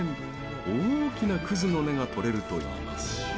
大きな葛の根が取れるといいます。